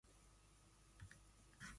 The journey took eighteen hours.